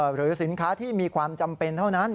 หรือสินค้าที่มีความจำเป็นเท่านั้น